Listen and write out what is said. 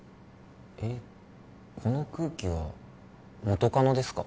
えっこの空気は元カノですか？